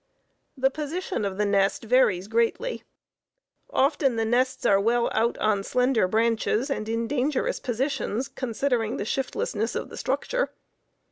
The position of the nest varies greatly. Often the nests are well out on slender branches and in dangerous positions, considering the shiftlessness of the structure.